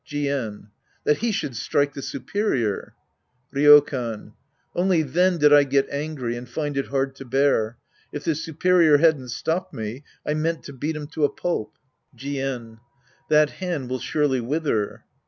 Jien. That he should strike the superior ! Ryokan. Only then did I get angry and find it hard to bear. If the superior hadn't stopped me, I meant to beat him to a pulp. Jien. That hand will surely wither.